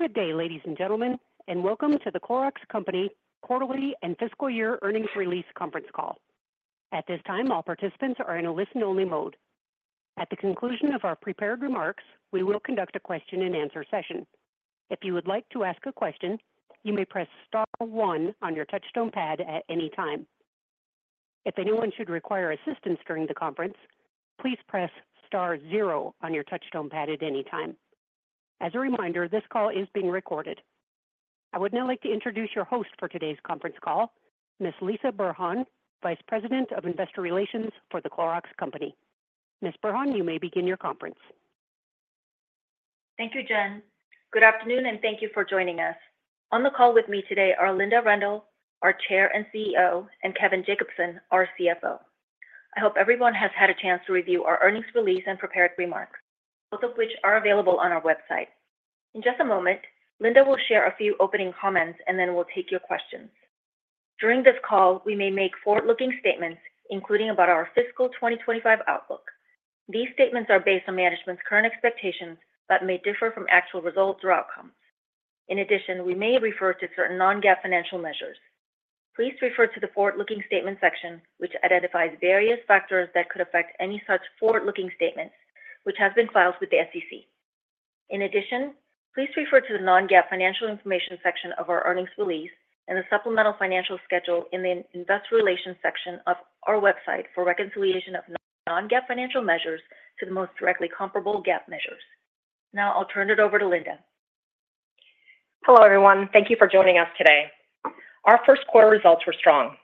Good day, ladies and gentlemen, and welcome to the Clorox Company Quarterly and Fiscal Year Earnings Release Conference Call. At this time, all participants are in a listen-only mode. At the conclusion of our prepared remarks, we will conduct a question-and-answer session. If you would like to ask a question, you may press Star one on your touch-tone pad at any time. If anyone should require assistance during the conference, please press Star zero on your touch-tone pad at any time. As a reminder, this call is being recorded. I would now like to introduce your host for today's conference call, Ms. Lisah Burhan, Vice President of Investor Relations for the Clorox Company. Ms. Burhan, you may begin your conference. Thank you, Jen. Good afternoon, and thank you for joining us. On the call with me today are Linda Rendle, our Chair and CEO, and Kevin Jacobsen, our CFO. I hope everyone has had a chance to review our earnings release and prepared remarks, both of which are available on our website. In just a moment, Linda will share a few opening comments and then we'll take your questions. During this call, we may make forward-looking statements, including about our fiscal 2025 outlook. These statements are based on management's current expectations but may differ from actual results or outcomes. In addition, we may refer to certain Non-GAAP financial measures. Please refer to the forward-looking statement section, which identifies various factors that could affect any such forward-looking statements, which have been filed with the SEC. In addition, please refer to the non-GAAP financial information section of our earnings release and the supplemental financial schedule in the investor relations section of our website for reconciliation of non-GAAP financial measures to the most directly comparable GAAP measures. Now, I'll turn it over to Linda. Hello, everyone. Thank you for joining us today. Our first quarter results were strong.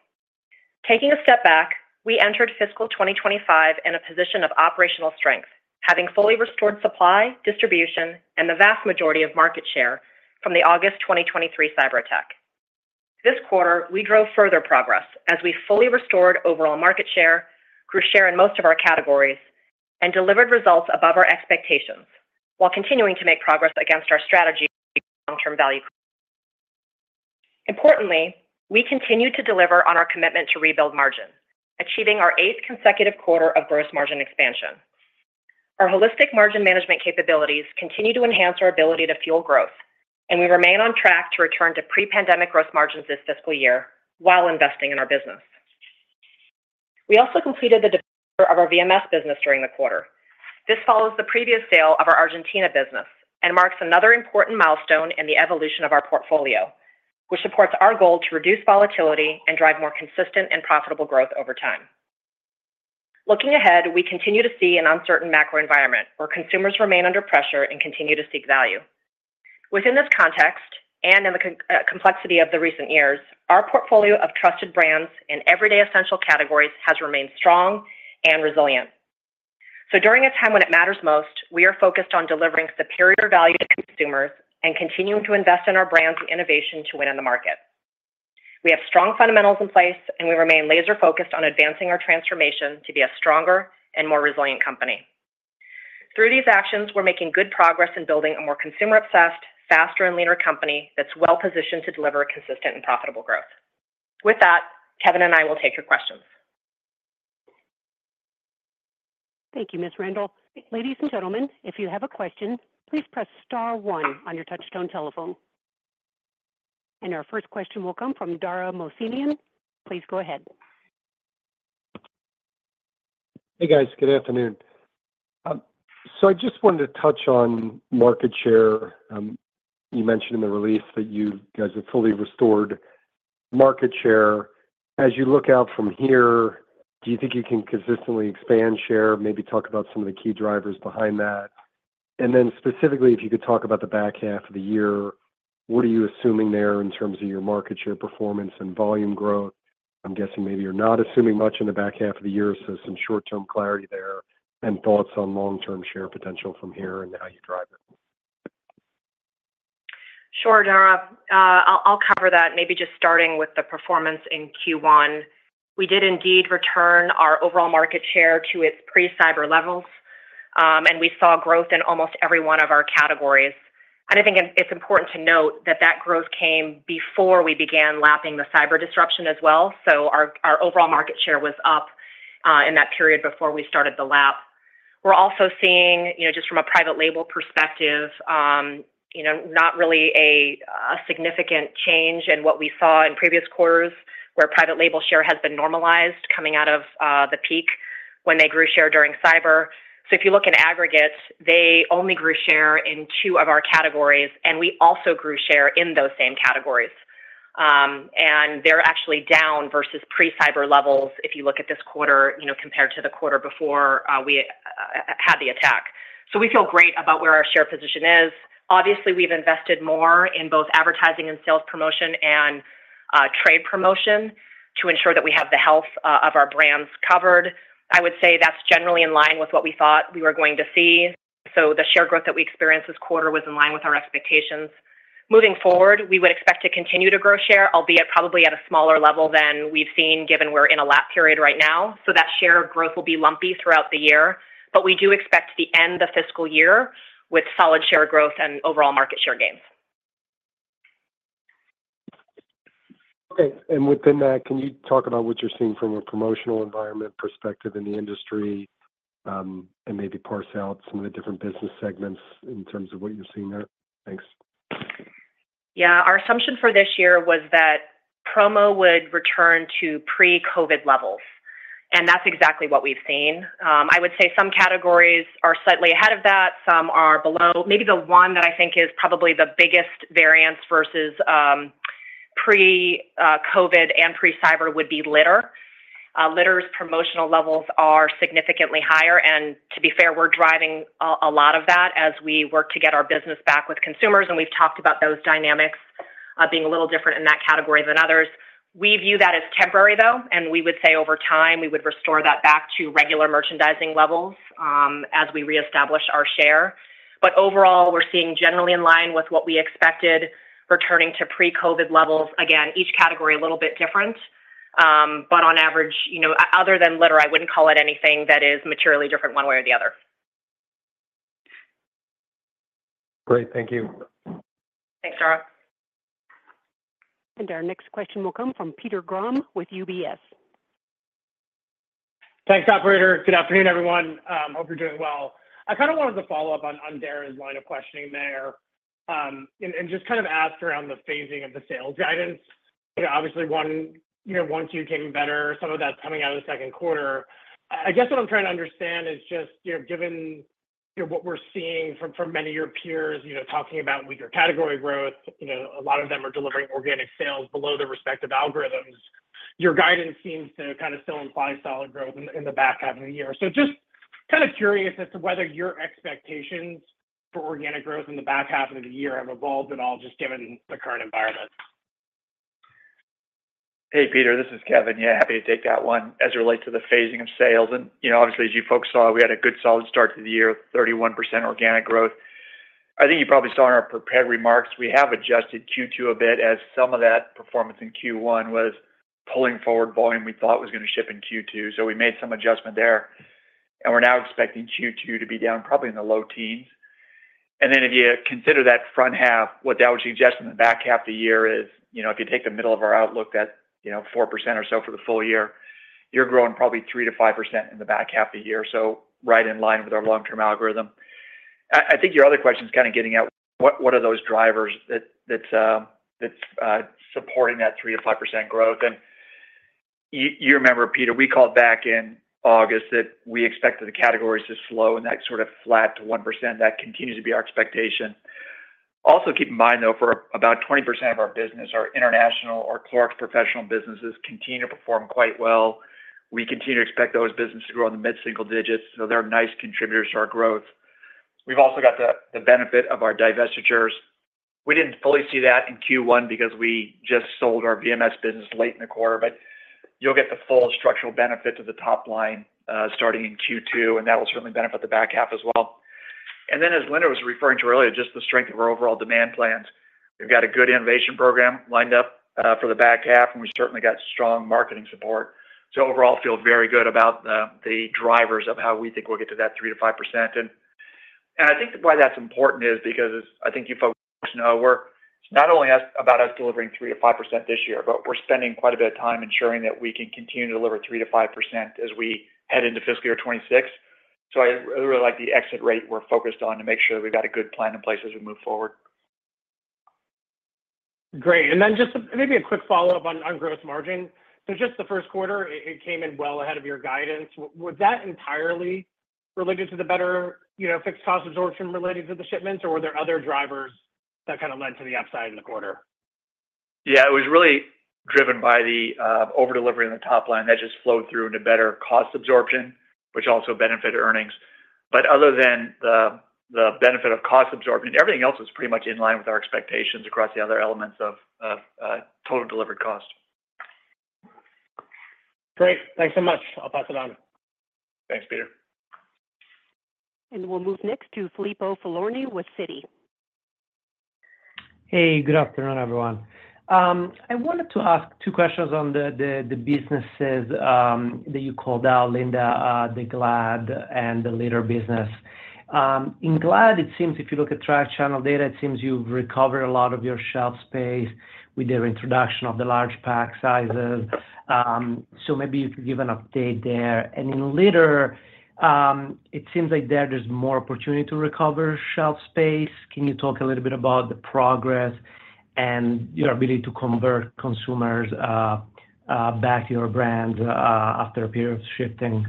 Taking a step back, we entered fiscal 2025 in a position of operational strength, having fully restored supply, distribution, and the vast majority of market share from the August 2023 cyberattack. This quarter, we drove further progress as we fully restored overall market share, grew share in most of our categories, and delivered results above our expectations while continuing to make progress against our strategy of long-term value. Importantly, we continue to deliver on our commitment to rebuild margin, achieving our eighth consecutive quarter of gross margin expansion. Our holistic margin management capabilities continue to enhance our ability to fuel growth, and we remain on track to return to pre-pandemic gross margins this fiscal year while investing in our business. We also completed the development of our VMS business during the quarter. This follows the previous sale of our Argentina business and marks another important milestone in the evolution of our portfolio, which supports our goal to reduce volatility and drive more consistent and profitable growth over time. Looking ahead, we continue to see an uncertain macro environment where consumers remain under pressure and continue to seek value. Within this context and in the complexity of the recent years, our portfolio of trusted brands and everyday essential categories has remained strong and resilient. So, during a time when it matters most, we are focused on delivering superior value to consumers and continuing to invest in our brands and innovation to win in the market. We have strong fundamentals in place, and we remain laser-focused on advancing our transformation to be a stronger and more resilient company. Through these actions, we're making good progress in building a more consumer-obsessed, faster, and leaner company that's well-positioned to deliver consistent and profitable growth. With that, Kevin and I will take your questions. Thank you, Ms. Rendle. Ladies and gentlemen, if you have a question, please press Star 1 on your touch-tone telephone. And our first question will come from Dara Mohsenian. Please go ahead. Hey, guys. Good afternoon. So, I just wanted to touch on market share. You mentioned in the release that you guys have fully restored market share. As you look out from here, do you think you can consistently expand share? Maybe talk about some of the key drivers behind that. And then specifically, if you could talk about the back half of the year, what are you assuming there in terms of your market share performance and volume growth? I'm guessing maybe you're not assuming much in the back half of the year, so some short-term clarity there and thoughts on long-term share potential from here and how you drive it. Sure, Dara. I'll cover that, maybe just starting with the performance in Q1. We did indeed return our overall market share to its pre-cyber levels, and we saw growth in almost every one of our categories, and I think it's important to note that that growth came before we began lapping the cyber disruption as well, so our overall market share was up in that period before we started the lap. We're also seeing, just from a private label perspective, not really a significant change in what we saw in previous quarters, where private label share has been normalized coming out of the peak when they grew share during cyber, so if you look in aggregate, they only grew share in two of our categories, and we also grew share in those same categories. And they're actually down versus pre-cyber levels if you look at this quarter compared to the quarter before we had the attack. So, we feel great about where our share position is. Obviously, we've invested more in both advertising and sales promotion and trade promotion to ensure that we have the health of our brands covered. I would say that's generally in line with what we thought we were going to see. So, the share growth that we experienced this quarter was in line with our expectations. Moving forward, we would expect to continue to grow share, albeit probably at a smaller level than we've seen, given we're in a lap period right now. So, that share growth will be lumpy throughout the year, but we do expect to end the fiscal year with solid share growth and overall market share gains. Okay. And within that, can you talk about what you're seeing from a promotional environment perspective in the industry and maybe parse out some of the different business segments in terms of what you're seeing there? Thanks. Yeah. Our assumption for this year was that promo would return to pre-COVID levels, and that's exactly what we've seen. I would say some categories are slightly ahead of that. Some are below. Maybe the one that I think is probably the biggest variance versus pre-COVID and pre-cyber would be litter. Litter's promotional levels are significantly higher. And to be fair, we're driving a lot of that as we work to get our business back with consumers, and we've talked about those dynamics being a little different in that category than others. We view that as temporary, though, and we would say over time we would restore that back to regular merchandising levels as we reestablish our share. But overall, we're seeing generally in line with what we expected, returning to pre-COVID levels. Again, each category a little bit different, but on average, other than litter, I wouldn't call it anything that is materially different one way or the other. Great. Thank you. Thanks, Dara. Our next question will come from Peter Grom with UBS. Thanks, operator. Good afternoon, everyone. Hope you're doing well. I kind of wanted to follow up on Dara's line of questioning there and just kind of ask around the phasing of the sales guidance. Obviously, once you're getting better, some of that's coming out of the second quarter. I guess what I'm trying to understand is just given what we're seeing from many of your peers talking about with your category growth, a lot of them are delivering organic sales below the respective algorithms. Your guidance seems to kind of still imply solid growth in the back half of the year. So, just kind of curious as to whether your expectations for organic growth in the back half of the year have evolved at all, just given the current environment. Hey, Peter. This is Kevin. Yeah, happy to take that one as it relates to the phasing of sales. And obviously, as you folks saw, we had a good solid start to the year with 31% organic growth. I think you probably saw in our prepared remarks, we have adjusted Q2 a bit as some of that performance in Q1 was pulling forward volume we thought was going to ship in Q2. So, we made some adjustment there, and we're now expecting Q2 to be down probably in the low teens. And then if you consider that front half, what that would suggest in the back half of the year is if you take the middle of our outlook, that 4% or so for the full year, you're growing probably 3%-5% in the back half of the year. So, right in line with our long-term algorithm. I think your other question is kind of getting at what are those drivers that's supporting that 3%-5% growth. And you remember, Peter, we called back in August that we expected the categories to slow and that sort of flat to 1%. That continues to be our expectation. Also, keep in mind, though, for about 20% of our business, our international or Clorox professional businesses continue to perform quite well. We continue to expect those businesses to grow in the mid-single digits. So, they're nice contributors to our growth. We've also got the benefit of our divestitures. We didn't fully see that in Q1 because we just sold our VMS business late in the quarter, but you'll get the full structural benefit to the top line starting in Q2, and that will certainly benefit the back half as well. And then, as Linda was referring to earlier, just the strength of our overall demand plans, we've got a good innovation program lined up for the back half, and we certainly got strong marketing support. So, overall, I feel very good about the drivers of how we think we'll get to that 3%-5%. And I think why that's important is because I think you folks know it's not only about us delivering 3%-5% this year, but we're spending quite a bit of time ensuring that we can continue to deliver 3%-5% as we head into fiscal year 2026. So, I really like the exit rate we're focused on to make sure that we've got a good plan in place as we move forward. Great. And then just maybe a quick follow-up on gross margin. So, just the first quarter, it came in well ahead of your guidance. Was that entirely related to the better fixed cost absorption related to the shipments, or were there other drivers that kind of led to the upside in the quarter? Yeah, it was really driven by the overdelivery in the top line that just flowed through into better cost absorption, which also benefited earnings, but other than the benefit of cost absorption, everything else was pretty much in line with our expectations across the other elements of total delivered cost. Great. Thanks so much. I'll pass it on. Thanks, Peter. We'll move next to Filippo Falorni with Citi. Hey, good afternoon, everyone. I wanted to ask two questions on the businesses that you called out, Linda, the Glad and the litter business. In Glad, it seems if you look at tracked channel data, it seems you've recovered a lot of your shelf space with their introduction of the large pack sizes. So, maybe you could give an update there. And in litter, it seems like there's more opportunity to recover shelf space. Can you talk a little bit about the progress and your ability to convert consumers back to your brand after a period of shifting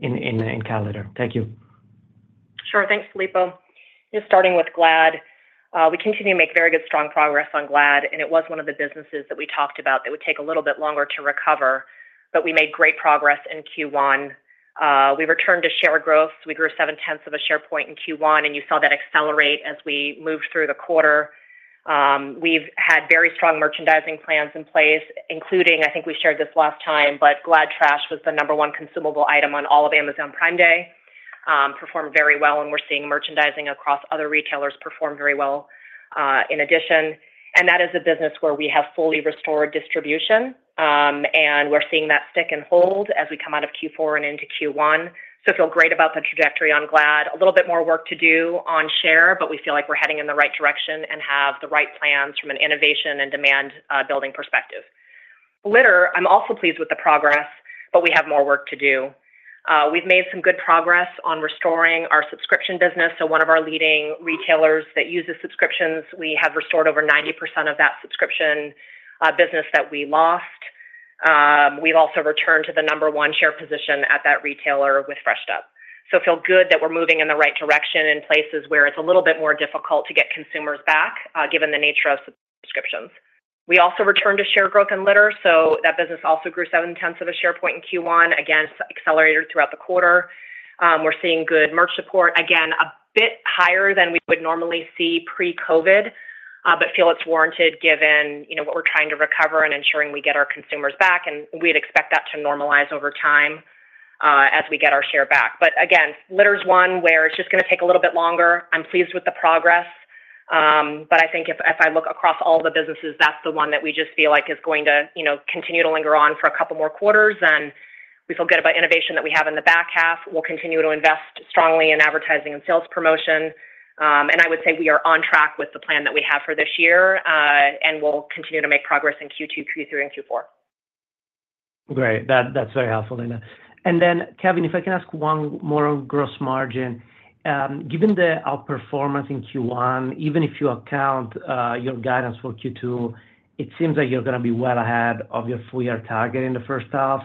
in calendar? Thank you. Sure. Thanks, Filippo. Just starting with Glad, we continue to make very good strong progress on Glad, and it was one of the businesses that we talked about that would take a little bit longer to recover, but we made great progress in Q1. We returned to share growth. We grew 7/10 of a share point in Q1, and you saw that accelerate as we moved through the quarter. We've had very strong merchandising plans in place, including, I think we shared this last time, but Glad trash was the number one consumable item on all of Amazon Prime Day. Performed very well, and we're seeing merchandising across other retailers perform very well in addition, and that is a business where we have fully restored distribution, and we're seeing that stick and hold as we come out of Q4 and into Q1, so feel great about the trajectory on Glad. A little bit more work to do on share, but we feel like we're heading in the right direction and have the right plans from an innovation and demand-building perspective. Litter, I'm also pleased with the progress, but we have more work to do. We've made some good progress on restoring our subscription business. So, one of our leading retailers that uses subscriptions, we have restored over 90% of that subscription business that we lost. We've also returned to the number one share position at that retailer with Fresh Step. So, feel good that we're moving in the right direction in places where it's a little bit more difficult to get consumers back, given the nature of subscriptions. We also returned to share growth in litter, so that business also grew 0.7 of a share point in Q1. Again, accelerated throughout the quarter. We're seeing good merch support, again, a bit higher than we would normally see pre-COVID, but feel it's warranted given what we're trying to recover and ensuring we get our consumers back, and we'd expect that to normalize over time as we get our share back. But again, litter is one where it's just going to take a little bit longer. I'm pleased with the progress, but I think if I look across all the businesses, that's the one that we just feel like is going to continue to linger on for a couple more quarters, and we feel good about innovation that we have in the back half. We'll continue to invest strongly in advertising and sales promotion, and I would say we are on track with the plan that we have for this year, and we'll continue to make progress in Q2, Q3, and Q4. Great. That's very helpful, Linda. Then, Kevin, if I can ask one more on gross margin. Given the outperformance in Q1, even if you account your guidance for Q2, it seems like you're going to be well ahead of your full-year target in the first half.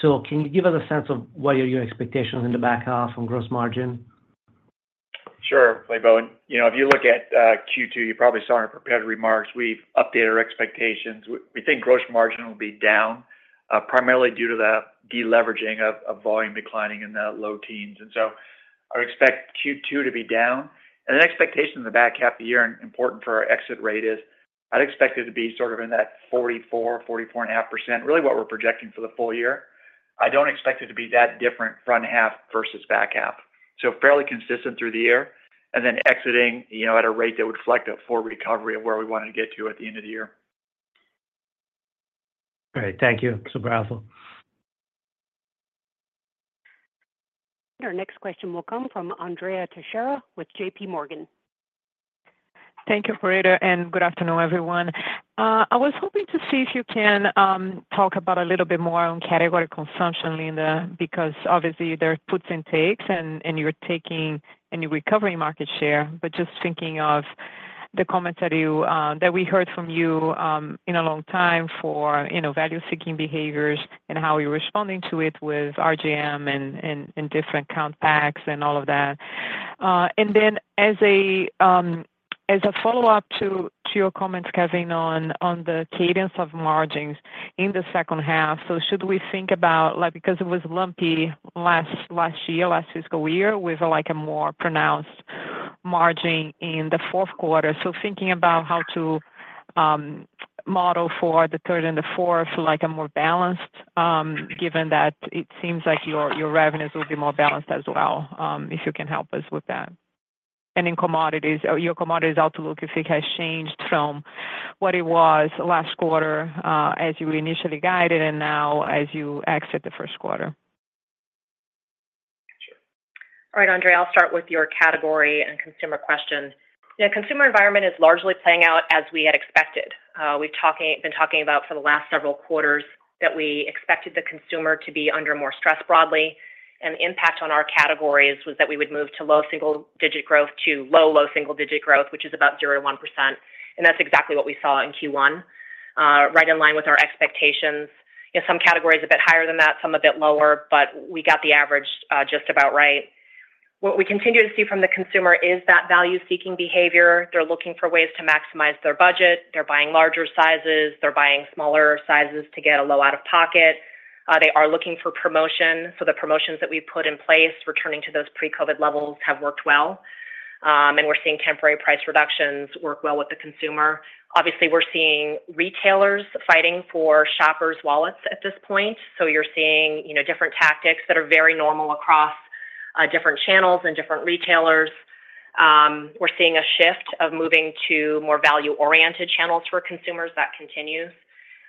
Can you give us a sense of what are your expectations in the back half on gross margin? Sure, Filippo. If you look at Q2, you probably saw in our prepared remarks, we've updated our expectations. We think gross margin will be down, primarily due to the deleveraging of volume declining in the low teens. And so, I would expect Q2 to be down. And the expectation in the back half of the year and important for our exit rate is I'd expect it to be sort of in that 44%-44.5%, really what we're projecting for the full year. I don't expect it to be that different front half versus back half. So, fairly consistent through the year. And then exiting at a rate that would reflect a full recovery of where we wanted to get to at the end of the year. Great. Thank you. Super helpful. Our next question will come from Andrea Teixeira with JPMorgan. Thank you, Operator, and good afternoon, everyone. I was hoping to see if you can talk about a little bit more on category consumption, Linda, because obviously there are puts and takes, and you're seeing a new recovery in market share. But just thinking of the comments that we heard from you for a long time on value-seeking behaviors and how you're responding to it with RGM and different count packs and all of that, and then as a follow-up to your comments, Kevin, on the cadence of margins in the second half, so should we think about, because it was lumpy last year, last fiscal year, with a more pronounced margin in the fourth quarter? So, thinking about how to model for the third and the fourth, like a more balanced, given that it seems like your revenues will be more balanced as well, if you can help us with that. And in commodities, your commodities outlook, if it has changed from what it was last quarter as you initially guided and now as you exit the first quarter? Sure. All right, Andrea, I'll start with your category and consumer question. The consumer environment is largely playing out as we had expected. We've been talking about for the last several quarters that we expected the consumer to be under more stress broadly. And the impact on our categories was that we would move to low single-digit growth to low, low single-digit growth, which is about 0% to 1%. And that's exactly what we saw in Q1, right in line with our expectations. Some categories a bit higher than that, some a bit lower, but we got the average just about right. What we continue to see from the consumer is that value-seeking behavior. They're looking for ways to maximize their budget. They're buying larger sizes. They're buying smaller sizes to get a low out-of-pocket. They are looking for promotion. So, the promotions that we've put in place, returning to those pre-COVID levels, have worked well. And we're seeing temporary price reductions work well with the consumer. Obviously, we're seeing retailers fighting for shoppers' wallets at this point. So, you're seeing different tactics that are very normal across different channels and different retailers. We're seeing a shift of moving to more value-oriented channels for consumers. That continues.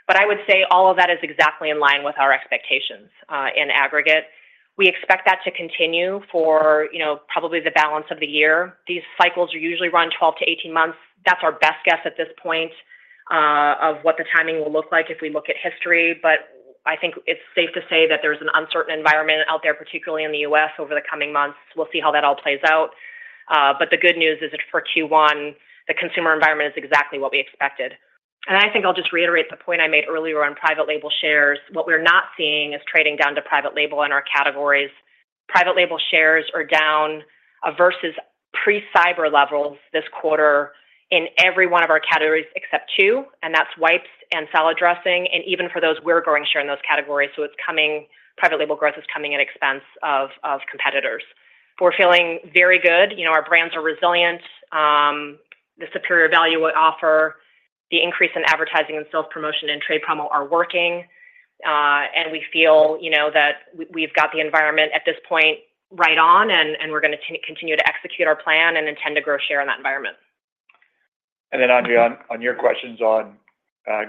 But I would say all of that is exactly in line with our expectations in aggregate. We expect that to continue for probably the balance of the year. These cycles usually run 12 to 18 months. That's our best guess at this point of what the timing will look like if we look at history. But I think it's safe to say that there's an uncertain environment out there, particularly in the U.S., over the coming months. We'll see how that all plays out, but the good news is that for Q1, the consumer environment is exactly what we expected, and I think I'll just reiterate the point I made earlier on private label shares. What we're not seeing is trading down to private label in our categories. Private label shares are down versus pre-cyber levels this quarter in every one of our categories except two, and that's wipes and salad dressing, and even for those, we're growing share in those categories, so private label growth is coming at expense of competitors. We're feeling very good. Our brands are resilient. The superior value we offer, the increase in advertising and sales promotion and trade promo are working, and we feel that we've got the environment at this point right on, and we're going to continue to execute our plan and intend to grow share in that environment. And then, Andrea, on your questions on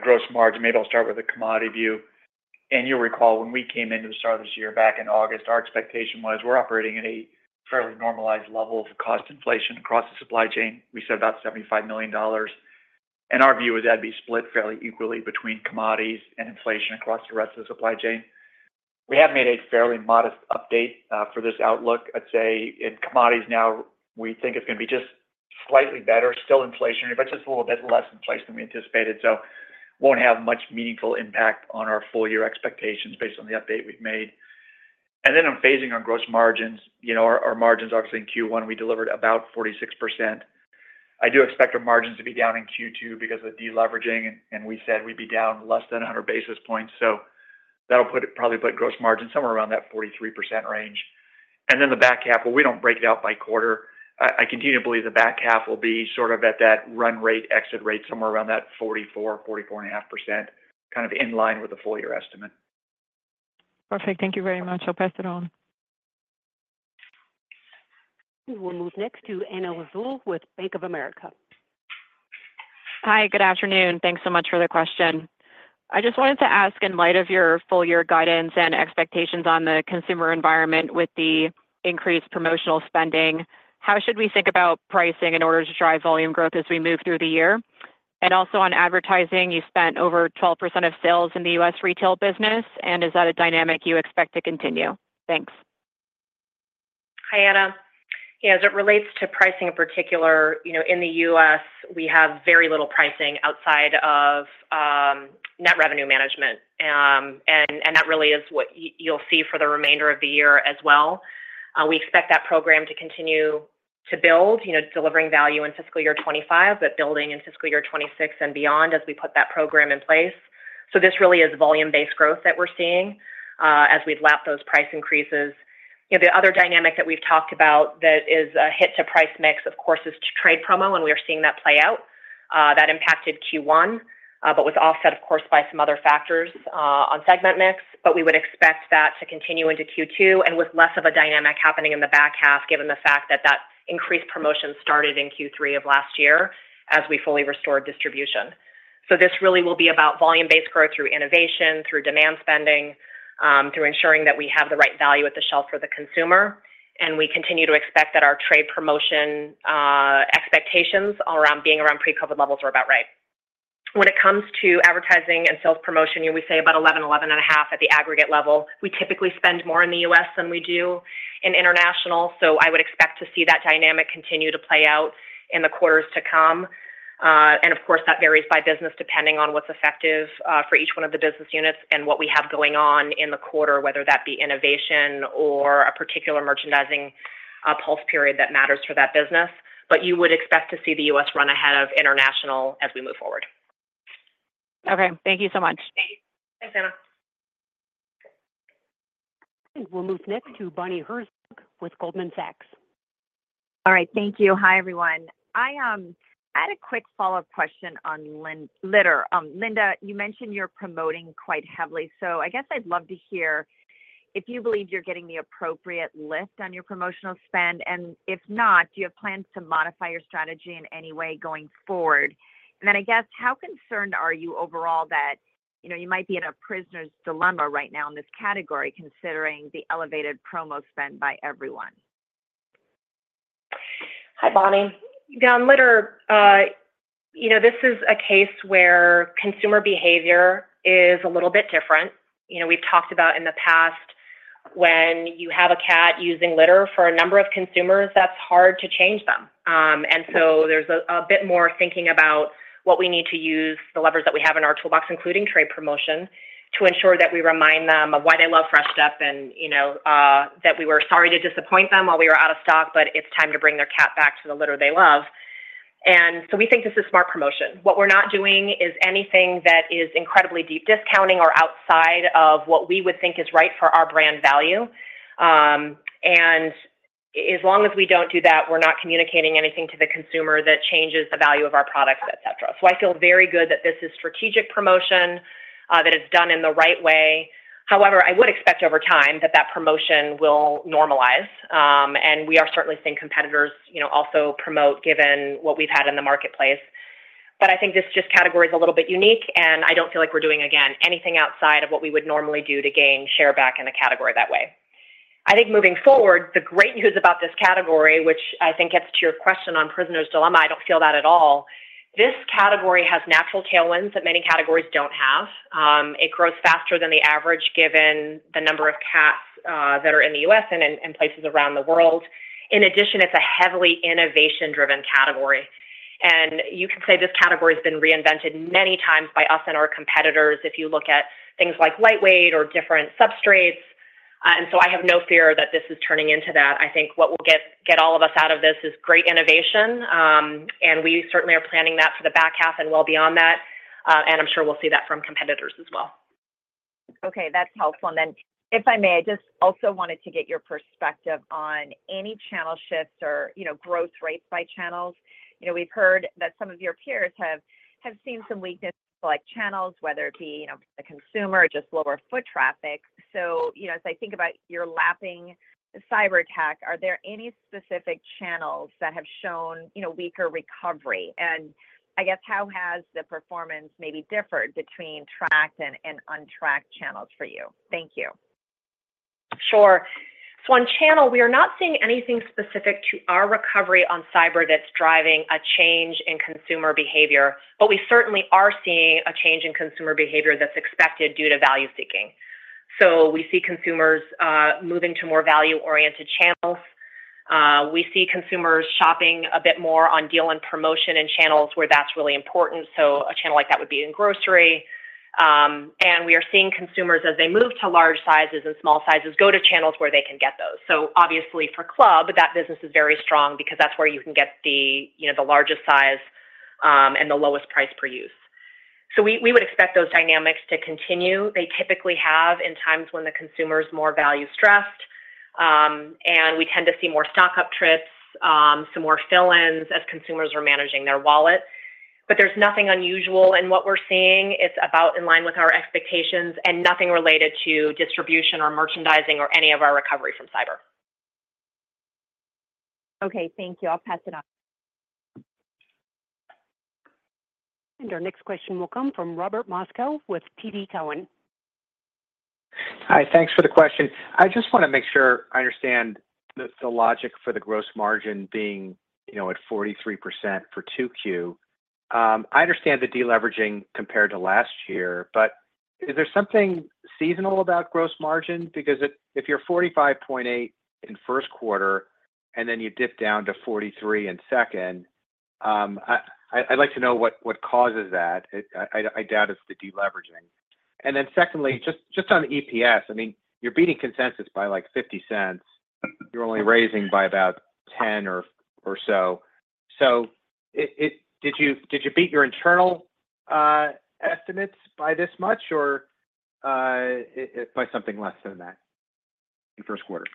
gross margin, maybe I'll start with a commodity view. And you'll recall when we came into the start of this year back in August, our expectation was we're operating at a fairly normalized level of cost inflation across the supply chain. We said about $75 million. And our view is that'd be split fairly equally between commodities and inflation across the rest of the supply chain. We have made a fairly modest update for this outlook. I'd say in commodities now, we think it's going to be just slightly better, still inflationary, but just a little bit less inflation than we anticipated. So, won't have much meaningful impact on our full-year expectations based on the update we've made. And then on phasing our gross margins, our margins obviously in Q1, we delivered about 46%. I do expect our margins to be down in Q2 because of the deleveraging, and we said we'd be down less than 100 basis points. So, that'll probably put gross margin somewhere around that 43% range, and then the back half, well, we don't break it out by quarter. I continue to believe the back half will be sort of at that run rate, exit rate, somewhere around that 44%-44.5%, kind of in line with the full-year estimate. Perfect. Thank you very much. I'll pass it on. We will move next to Anna Lizzul with Bank of America. Hi, good afternoon. Thanks so much for the question. I just wanted to ask, in light of your full-year guidance and expectations on the consumer environment with the increased promotional spending, how should we think about pricing in order to drive volume growth as we move through the year? And also on advertising, you spent over 12% of sales in the U.S. retail business, and is that a dynamic you expect to continue? Thanks. Hi, Anna. Yeah, as it relates to pricing in particular, in the U.S., we have very little pricing outside of net revenue management, and that really is what you'll see for the remainder of the year as well. We expect that program to continue to build, delivering value in fiscal year 2025, but building in fiscal year 2026 and beyond as we put that program in place, so this really is volume-based growth that we're seeing as we've lapped those price increases. The other dynamic that we've talked about that is a hit to price mix, of course, is trade promo, and we are seeing that play out. That impacted Q1, but was offset, of course, by some other factors on segment mix. But we would expect that to continue into Q2 and with less of a dynamic happening in the back half, given the fact that that increased promotion started in Q3 of last year as we fully restored distribution. So, this really will be about volume-based growth through innovation, through demand spending, through ensuring that we have the right value at the shelf for the consumer. And we continue to expect that our trade promotion expectations around being around pre-COVID levels were about right. When it comes to advertising and sales promotion, we say about 11, 11.5 at the aggregate level. We typically spend more in the U.S. than we do in international. So, I would expect to see that dynamic continue to play out in the quarters to come. And of course, that varies by business, depending on what's effective for each one of the business units and what we have going on in the quarter, whether that be innovation or a particular merchandising pulse period that matters for that business. But you would expect to see the U.S. run ahead of international as we move forward. Okay. Thank you so much. Thanks, Anna. We'll move next to Bonnie Herzog with Goldman Sachs. All right. Thank you. Hi, everyone. I had a quick follow-up question on litter. Linda, you mentioned you're promoting quite heavily. So, I guess I'd love to hear if you believe you're getting the appropriate lift on your promotional spend. And if not, do you have plans to modify your strategy in any way going forward? And then I guess, how concerned are you overall that you might be in a prisoner's dilemma right now in this category, considering the elevated promo spend by everyone? Hi, Bonnie. Yeah, on litter, this is a case where consumer behavior is a little bit different. We've talked about in the past, when you have a cat using litter for a number of consumers, that's hard to change them. And so, there's a bit more thinking about what we need to use the levers that we have in our toolbox, including trade promotion, to ensure that we remind them of why they love Fresh Step and that we were sorry to disappoint them while we were out of stock, but it's time to bring their cat back to the litter they love. And so, we think this is smart promotion. What we're not doing is anything that is incredibly deep discounting or outside of what we would think is right for our brand value. As long as we don't do that, we're not communicating anything to the consumer that changes the value of our products, etc. I feel very good that this is strategic promotion, that it's done in the right way. However, I would expect over time that that promotion will normalize. We are certainly seeing competitors also promote given what we've had in the marketplace. I think this just category is a little bit unique, and I don't feel like we're doing, again, anything outside of what we would normally do to gain share back in a category that way. I think moving forward, the great news about this category, which I think gets to your question on prisoner's dilemma, I don't feel that at all. This category has natural tailwinds that many categories don't have. It grows faster than the average given the number of cats that are in the U.S. and in places around the world. In addition, it's a heavily innovation-driven category. And you can say this category has been reinvented many times by us and our competitors if you look at things like lightweight or different substrates. And so, I have no fear that this is turning into that. I think what will get all of us out of this is great innovation. And we certainly are planning that for the back half and well beyond that. And I'm sure we'll see that from competitors as well. Okay. That's helpful. And then if I may, I just also wanted to get your perspective on any channel shifts or growth rates by channels. We've heard that some of your peers have seen some weakness like channels, whether it be the consumer or just lower foot traffic. So, as I think about your lapping cyber attack, are there any specific channels that have shown weaker recovery? And I guess, how has the performance maybe differed between tracked and untracked channels for you? Thank you. Sure. So, on channel, we are not seeing anything specific to our recovery on cyber that's driving a change in consumer behavior. But we certainly are seeing a change in consumer behavior that's expected due to value-seeking. So, we see consumers moving to more value-oriented channels. We see consumers shopping a bit more on deal and promotion and channels where that's really important. So, a channel like that would be in grocery. And we are seeing consumers, as they move to large sizes and small sizes, go to channels where they can get those. So, obviously, for club, that business is very strong because that's where you can get the largest size and the lowest price per use. So, we would expect those dynamics to continue. They typically have in times when the consumer is more value-stressed. We tend to see more stock-up trips, some more fill-ins as consumers are managing their wallet. But there's nothing unusual in what we're seeing. It's about in line with our expectations and nothing related to distribution or merchandising or any of our recovery from cyber. Okay. Thank you. I'll pass it on. Our next question will come from Robert Moskow with TD Cowen. Hi. Thanks for the question. I just want to make sure I understand the logic for the gross margin being at 43% for 2Q. I understand the deleveraging compared to last year, but is there something seasonal about gross margin? Because if you're 45.8% in first quarter and then you dip down to 43% in second, I'd like to know what causes that. I doubt it's the deleveraging. And then secondly, just on EPS, I mean, you're beating consensus by like $0.50. You're only raising by about $0.10 or so. So, did you beat your internal estimates by this much or by something less than that in first quarter?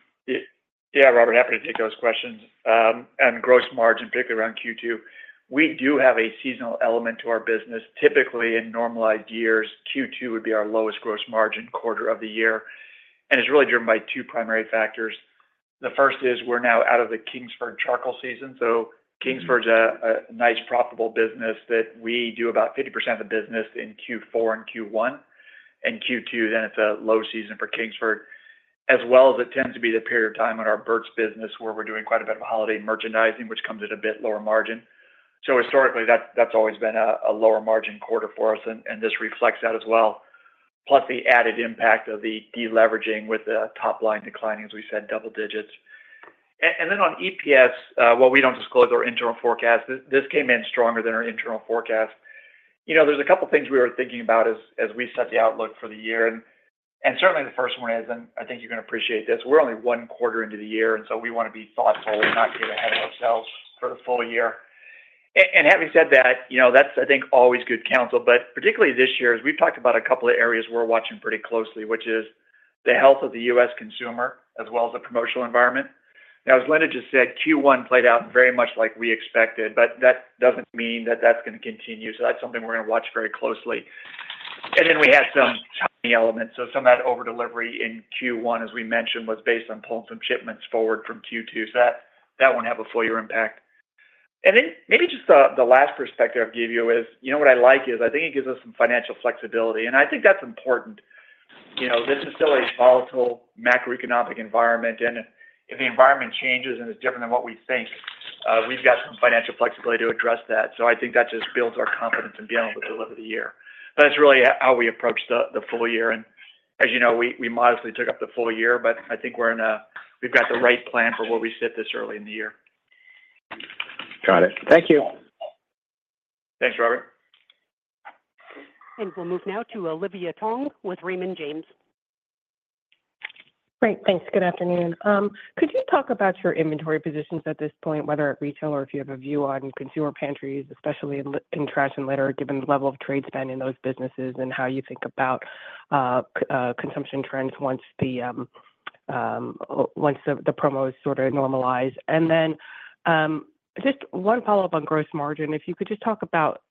Yeah, Robert, happy to take those questions. And gross margin, particularly around Q2, we do have a seasonal element to our business. Typically, in normalized years, Q2 would be our lowest gross margin quarter of the year. And it's really driven by two primary factors. The first is we're now out of the Kingsford charcoal season. So, Kingsford's a nice, profitable business that we do about 50% of the business in Q4 and Q1. In Q2, then it's a low season for Kingsford, as well as it tends to be the period of time in our Burt's business where we're doing quite a bit of holiday merchandising, which comes at a bit lower margin. So, historically, that's always been a lower margin quarter for us, and this reflects that as well, plus the added impact of the deleveraging with the top line declining, as we said, double digits. Then on EPS, well, we don't disclose our internal forecast. This came in stronger than our internal forecast. There's a couple of things we were thinking about as we set the outlook for the year. Certainly, the first one is, and I think you're going to appreciate this, we're only one quarter into the year, and so we want to be thoughtful and not get ahead of ourselves for the full year. Having said that, that's, I think, always good counsel. Particularly this year, as we've talked about a couple of areas we're watching pretty closely, which is the health of the U.S. consumer as well as the promotional environment. Now, as Linda just said, Q1 played out very much like we expected, but that doesn't mean that that's going to continue. That's something we're going to watch very closely. And then we had some elements. So, some of that overdelivery in Q1, as we mentioned, was based on pulling some shipments forward from Q2. So, that won't have a full-year impact. And then maybe just the last perspective I've given you is, you know what I like is I think it gives us some financial flexibility. And I think that's important. This is still a volatile macroeconomic environment, and if the environment changes and it's different than what we think, we've got some financial flexibility to address that. So, I think that just builds our confidence in being able to deliver the year. But that's really how we approach the full year. And as you know, we modestly took up the full year, but I think we've got the right plan for where we sit this early in the year. Got it. Thank you. Thanks, Robert. We'll move now to Olivia Tong with Raymond James. Great. Thanks. Good afternoon. Could you talk about your inventory positions at this point, whether at retail or if you have a view on consumer pantries, especially in trash and litter, given the level of trade spend in those businesses and how you think about consumption trends once the promo is sort of normalized? And then just one follow-up on gross margin. If you could just talk about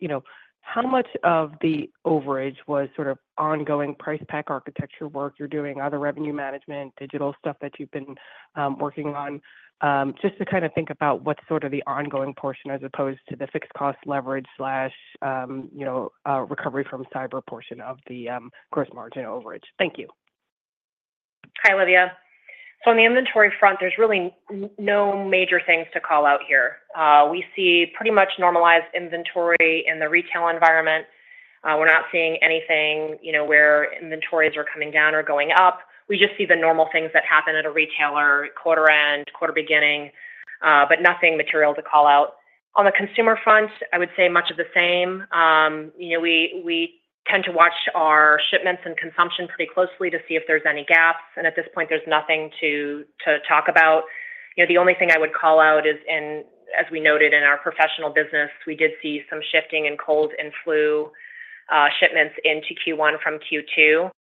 how much of the overage was sort of ongoing price pack architecture work you're doing, other revenue management, digital stuff that you've been working on, just to kind of think about what's sort of the ongoing portion as opposed to the fixed cost leverage/recovery from cyber portion of the gross margin overage. Thank you. Hi, Olivia. So, on the inventory front, there's really no major things to call out here. We see pretty much normalized inventory in the retail environment. We're not seeing anything where inventories are coming down or going up. We just see the normal things that happen at a retailer quarter end, quarter beginning, but nothing material to call out. On the consumer front, I would say much of the same. We tend to watch our shipments and consumption pretty closely to see if there's any gaps. And at this point, there's nothing to talk about. The only thing I would call out is, as we noted in our professional business, we did see some shifting in cold and flu shipments into Q1 from Q2.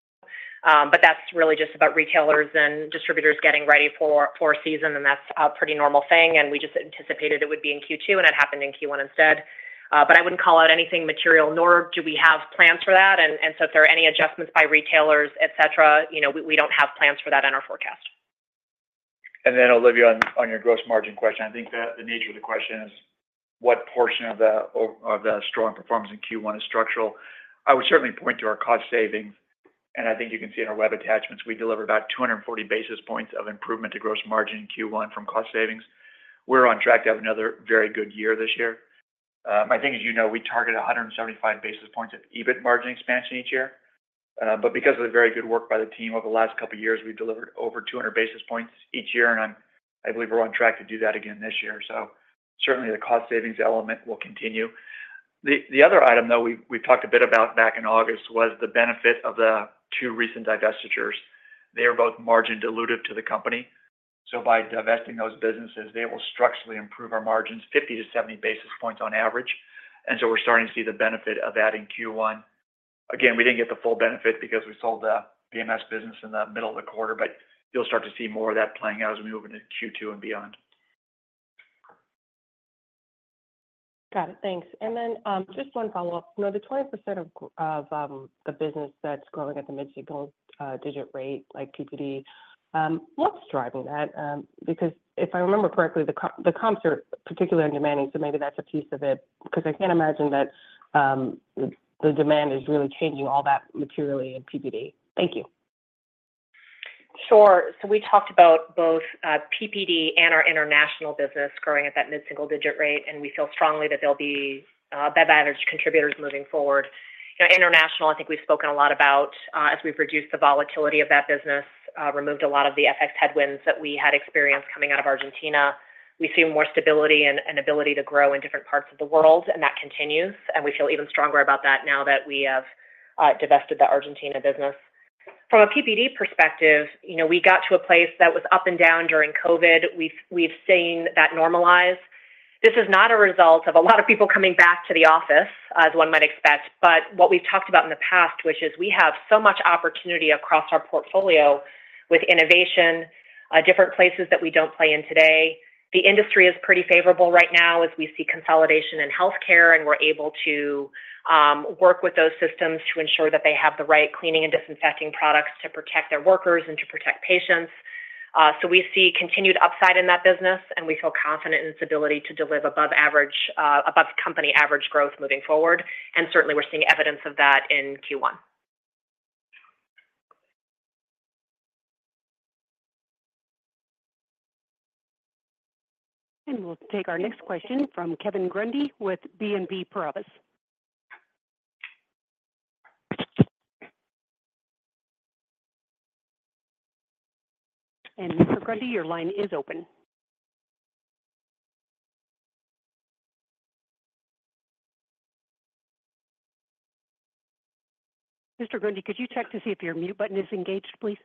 But that's really just about retailers and distributors getting ready for season, and that's a pretty normal thing. We just anticipated it would be in Q2, and it happened in Q1 instead. I wouldn't call out anything material, nor do we have plans for that. So, if there are any adjustments by retailers, etc., we don't have plans for that in our forecast. And then, Olivia, on your gross margin question, I think the nature of the question is what portion of the strong performance in Q1 is structural. I would certainly point to our cost savings. And I think you can see in our web attachments, we deliver about 240 basis points of improvement to gross margin in Q1 from cost savings. We're on track to have another very good year this year. I think, as you know, we target 175 basis points of EBIT margin expansion each year. But because of the very good work by the team over the last couple of years, we've delivered over 200 basis points each year. And I believe we're on track to do that again this year. So, certainly, the cost savings element will continue. The other item, though, we've talked a bit about back in August, was the benefit of the two recent divestitures. They are both margin diluted to the company. So, by divesting those businesses, they will structurally improve our margins 50-70 basis points on average. And so, we're starting to see the benefit in Q1. Again, we didn't get the full benefit because we sold the VMS business in the middle of the quarter, but you'll start to see more of that playing out as we move into Q2 and beyond. Got it. Thanks. And then just one follow-up. The 20% of the business that's growing at the mid-single digit rate, like PPD, what's driving that? Because if I remember correctly, the comps are particularly undemanding, so maybe that's a piece of it. Because I can't imagine that the demand is really changing all that materially in PPD. Thank you. Sure. So, we talked about both PPD and our international business growing at that mid-single digit rate, and we feel strongly that there'll be better average contributors moving forward. International, I think we've spoken a lot about as we've reduced the volatility of that business, removed a lot of the FX headwinds that we had experienced coming out of Argentina. We see more stability and ability to grow in different parts of the world, and that continues. And we feel even stronger about that now that we have divested the Argentina business. From a PPD perspective, we got to a place that was up and down during COVID. We've seen that normalize. This is not a result of a lot of people coming back to the office, as one might expect. But what we've talked about in the past, which is we have so much opportunity across our portfolio with innovation, different places that we don't play in today. The industry is pretty favorable right now as we see consolidation in healthcare, and we're able to work with those systems to ensure that they have the right cleaning and disinfecting products to protect their workers and to protect patients. So, we see continued upside in that business, and we feel confident in its ability to deliver above company average growth moving forward. And certainly, we're seeing evidence of that in Q1. We'll take our next question from Kevin Grundy with BNP Paribas. Mr. Grundy, your line is open. Mr. Grundy, could you check to see if your mute button is engaged, please?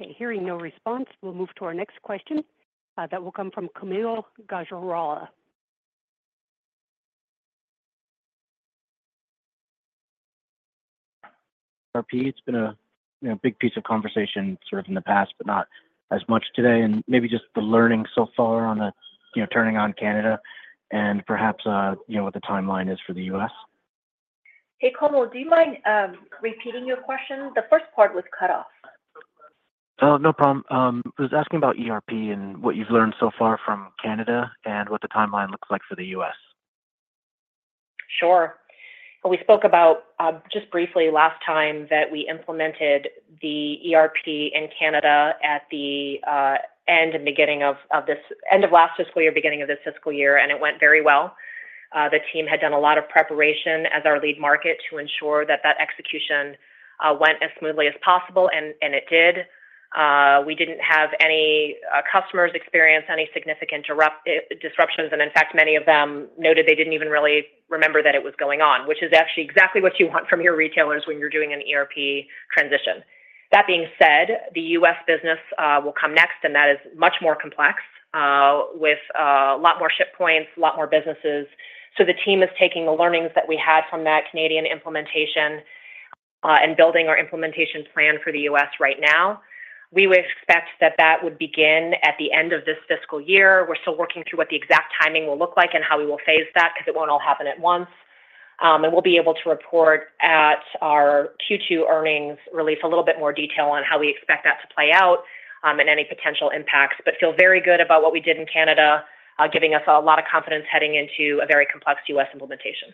Okay. Hearing no response, we'll move to our next question that will come from Kaumil Gajrawala. ERP, it's been a big piece of conversation sort of in the past, but not as much today. And maybe just the learning so far on turning on Canada and perhaps what the timeline is for the U.S. Hey, Kamal, do you mind repeating your question? The first part was cut off. Oh, no problem. I was asking about ERP and what you've learned so far from Canada and what the timeline looks like for the U.S. Sure. We spoke about just briefly last time that we implemented the ERP in Canada at the end and beginning of this end of last fiscal year, beginning of this fiscal year, and it went very well. The team had done a lot of preparation as our lead market to ensure that that execution went as smoothly as possible, and it did. We didn't have any customers experience any significant disruptions. And in fact, many of them noted they didn't even really remember that it was going on, which is actually exactly what you want from your retailers when you're doing an ERP transition. That being said, the US business will come next, and that is much more complex with a lot more ship points, a lot more businesses. The team is taking the learnings that we had from that Canadian implementation and building our implementation plan for the U.S. right now. We would expect that that would begin at the end of this fiscal year. We're still working through what the exact timing will look like and how we will phase that because it won't all happen at once. We'll be able to report at our Q2 earnings release a little bit more detail on how we expect that to play out and any potential impacts. We feel very good about what we did in Canada, giving us a lot of confidence heading into a very complex U.S. implementation.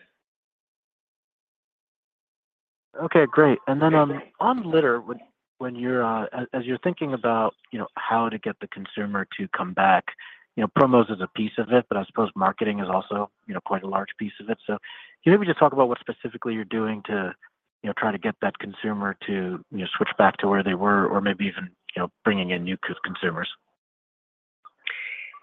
Okay. Great. And then on litter, as you're thinking about how to get the consumer to come back, promos is a piece of it, but I suppose marketing is also quite a large piece of it. So, can you maybe just talk about what specifically you're doing to try to get that consumer to switch back to where they were or maybe even bringing in new consumers?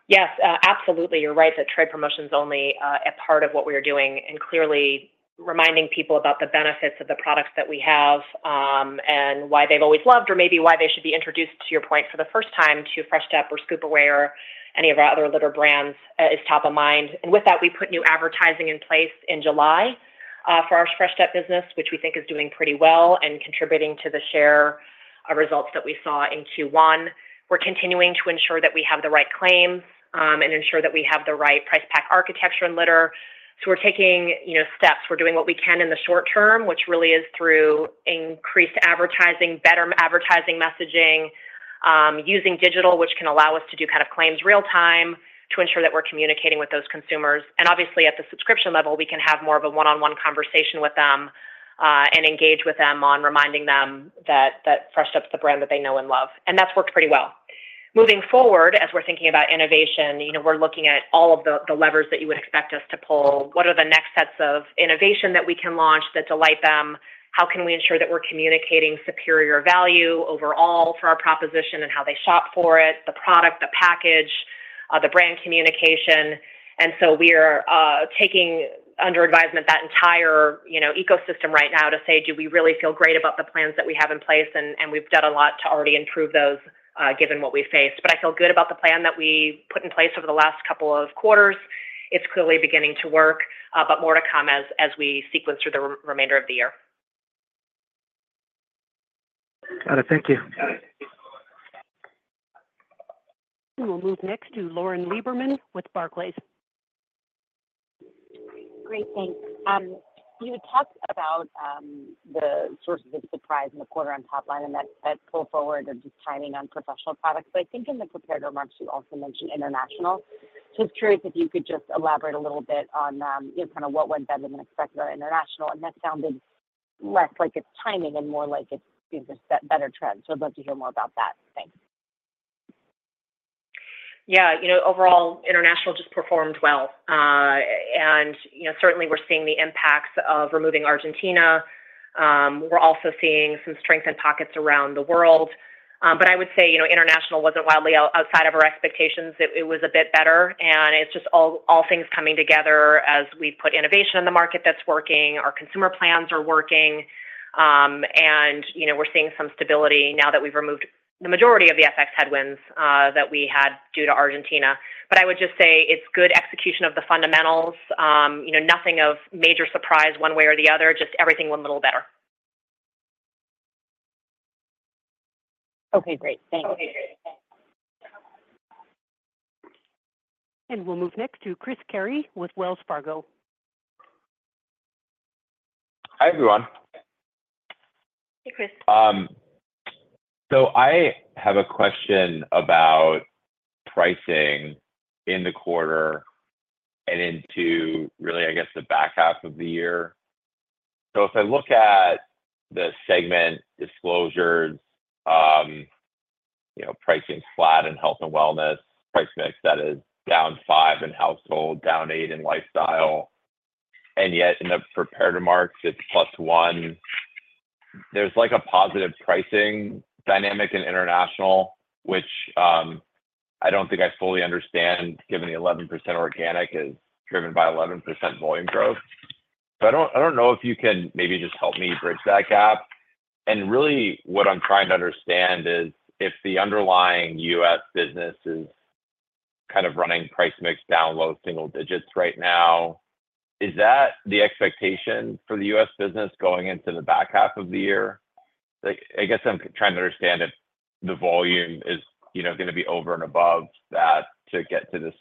Yes, absolutely. You're right that trade promotion is only a part of what we're doing and clearly reminding people about the benefits of the products that we have and why they've always loved or maybe why they should be introduced, to your point, for the first time to Fresh Step or Scoop Away or any of our other litter brands is top of mind. And with that, we put new advertising in place in July for our Fresh Step business, which we think is doing pretty well and contributing to the share of results that we saw in Q1. We're continuing to ensure that we have the right claims and ensure that we have the right Price Pack Architecture and litter. So, we're taking steps. We're doing what we can in the short term, which really is through increased advertising, better advertising messaging, using digital, which can allow us to do kind of claims real-time to ensure that we're communicating with those consumers. And obviously, at the subscription level, we can have more of a one-on-one conversation with them and engage with them on reminding them that Fresh Step is the brand that they know and love. And that's worked pretty well. Moving forward, as we're thinking about innovation, we're looking at all of the levers that you would expect us to pull. What are the next sets of innovation that we can launch that delight them? How can we ensure that we're communicating superior value overall for our proposition and how they shop for it, the product, the package, the brand communication? And so, we are taking under advisement that entire ecosystem right now to say, do we really feel great about the plans that we have in place? And we've done a lot to already improve those given what we faced. But I feel good about the plan that we put in place over the last couple of quarters. It's clearly beginning to work, but more to come as we sequence through the remainder of the year. Got it. Thank you. We'll move next to Lauren Lieberman with Barclays. Great. Thanks. You talked about the sources of surprise in the quarter-end top line and that pull forward of just timing on professional products. But I think in the prepared remarks, you also mentioned international. So, I was curious if you could just elaborate a little bit on kind of what went better than expected on international. And that sounded less like it's timing and more like it's a better trend. So, I'd love to hear more about that. Thanks. Yeah. Overall, international just performed well. And certainly, we're seeing the impacts of removing Argentina. We're also seeing some strength in pockets around the world. But I would say international wasn't wildly outside of our expectations. It was a bit better. And it's just all things coming together as we put innovation in the market that's working. Our consumer plans are working. And we're seeing some stability now that we've removed the majority of the FX headwinds that we had due to Argentina. But I would just say it's good execution of the fundamentals. Nothing of major surprise one way or the other. Just everything went a little better. Okay. Great. Thanks. We'll move next to Chris Carey with Wells Fargo. Hi, everyone. Hey, Chris. So, I have a question about pricing in the quarter and into really, I guess, the back half of the year. So, if I look at the segment disclosures, pricing's flat in health and wellness. Price mix that is down 5% in household, down 8% in lifestyle. And yet, in the prepared remarks, it's plus 1%. There's a positive pricing dynamic in international, which I don't think I fully understand, given the 11% organic is driven by 11% volume growth. So, I don't know if you can maybe just help me bridge that gap. And really, what I'm trying to understand is if the underlying U.S. business is kind of running price mix down low single digits right now, is that the expectation for the U.S. business going into the back half of the year? I guess I'm trying to understand if the volume is going to be over and above that to get to this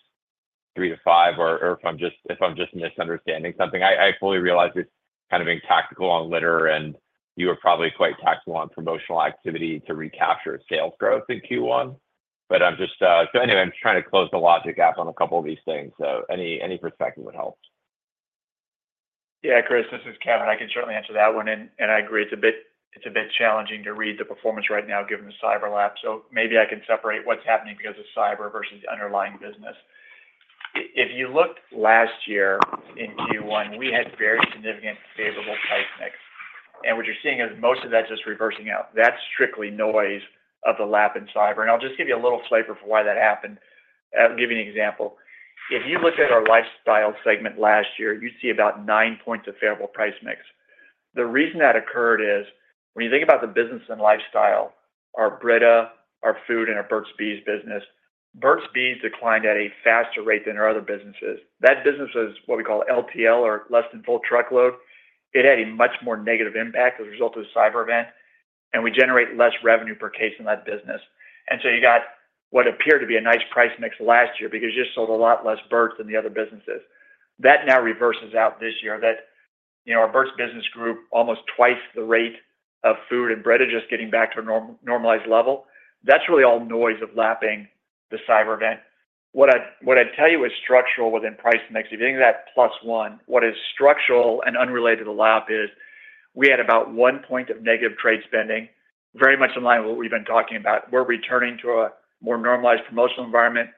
three to five, or if I'm just misunderstanding something. I fully realize it's kind of being tactical on litter, and you are probably quite tactical on promotional activity to recapture sales growth in Q1. But anyway, I'm just trying to close the logic gap on a couple of these things. So, any perspective would help. Yeah, Chris, this is Kevin. I can certainly answer that one. And I agree. It's a bit challenging to read the performance right now given the cyberattack. So, maybe I can separate what's happening because of cyber versus the underlying business. If you looked last year in Q1, we had very significant favorable price mix. And what you're seeing is most of that just reversing out. That's strictly noise from the lap in cyber, and I'll just give you a little flavor for why that happened. I'll give you an example. If you looked at our lifestyle segment last year, you'd see about nine points of favorable price mix. The reason that occurred is when you think about the business and lifestyle, our Brita, our food, and our Burt's Bees business. Burt's Bees declined at a faster rate than our other businesses. That business was what we call LTL or less than truckload. It had a much more negative impact as a result of the cyber event, and we generate less revenue per case in that business. And so, you got what appeared to be a nice price mix last year because you just sold a lot less Burt's than the other businesses. That now reverses out this year. That our Burt's business grew, almost twice the rate of food and Brita just getting back to a normalized level. That's really all noise of lapping the cyber event. What I'd tell you is structural within price mix. If you think of that plus one, what is structural and unrelated to the lap is we had about one point of negative trade spending, very much in line with what we've been talking about. We're returning to a more normalized promotional environment.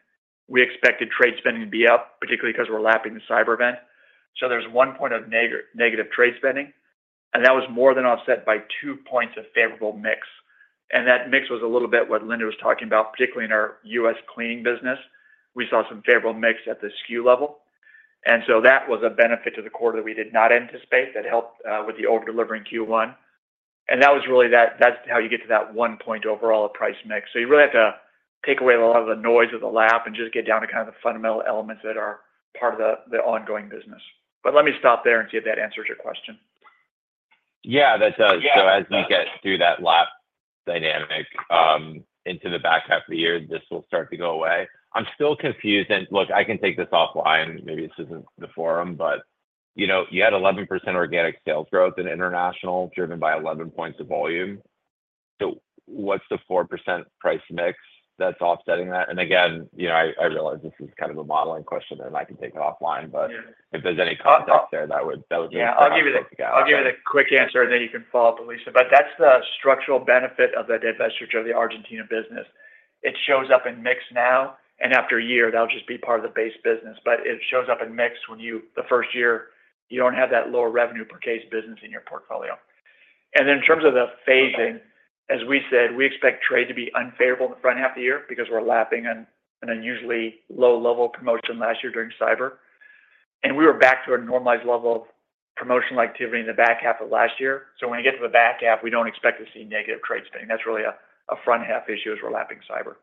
We expected trade spending to be up, particularly because we're lapping the cyber event. So, there's one point of negative trade spending. And that was more than offset by two points of favorable mix. And that mix was a little bit what Linda was talking about, particularly in our U.S. cleaning business. We saw some favorable mix at the SKU level. That was a benefit to the quarter that we did not anticipate that helped with the overdelivery in Q1. That was really that's how you get to that 1 point overall of price mix. You really have to take away a lot of the noise of the lap and just get down to kind of the fundamental elements that are part of the ongoing business. But let me stop there and see if that answers your question. Yeah, that does. As we get through that lap dynamic into the back half of the year, this will start to go away. I'm still confused. Look, I can take this offline. Maybe this isn't the forum, but you had 11% organic sales growth in international driven by 11 points of volume. What's the 4% price mix that's offsetting that? And again, I realize this is kind of a modeling question, and I can take it offline. But if there's any context there, that would be a good question to gather. Yeah, I'll give you the quick answer, and then you can follow up with Lisa. But that's the structural benefit of that advantage of the Argentina business. It shows up in mix now. And after a year, that'll just be part of the base business. But it shows up in mix when you, the first year, you don't have that lower revenue per case business in your portfolio. And then in terms of the phasing, as we said, we expect trade to be unfavorable in the front half of the year because we're lapping an unusually low-level promotion last year during cyber. And we were back to a normalized level of promotional activity in the back half of last year. So, when you get to the back half, we don't expect to see negative trade spending. That's really a front-half issue as we're lapping cyber.